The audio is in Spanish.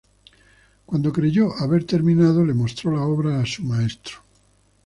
Cuando creyó haber terminado, le mostró la obra a su maestro.